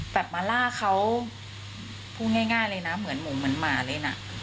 มาล่าเขาพูดง่ายเลยนะเหมือนหมูเหมือนหมาเลยนะ